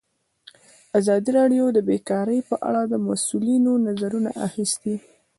ازادي راډیو د بیکاري په اړه د مسؤلینو نظرونه اخیستي.